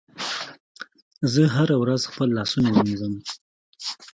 زه هره ورځ خپل لاسونه مینځم.